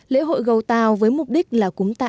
lễ hội gầu tàu với mục đích là cúng tàu